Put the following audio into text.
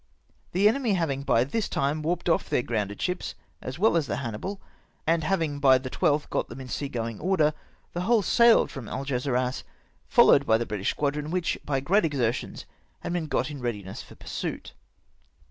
The enemy having by this time warped off their grounded ships, as well as the Hannibal, and having by the 12th got them m sea going order, the whole sailed from Algeskas, followed by the British squadron, which, by great exer tions, had been got in readiness for pursuit.